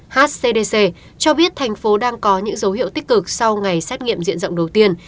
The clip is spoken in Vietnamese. hcdc cho biết thành phố đang có những dấu hiệu tích cực sau ngày xét nghiệm diện rộng đầu tiên